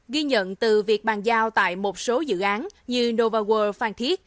ghi nhận từ việc bàn giao tại một số dự án như novaworld phan thiết